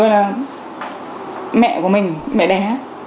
rồi là mẹ của mình mẹ đẻ